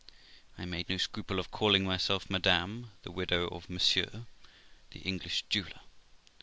I made no scruple of calling myself Madame , the widow of Monsieur , the English jeweller.